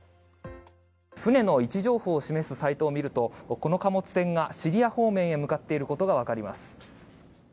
船の位置情報を示すサイトを見るとこの貨物船がシリア方面へ向かっていることがわかります。